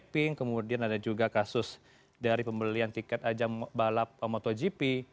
pink kemudian ada juga kasus dari pembelian tiket ajang balap motogp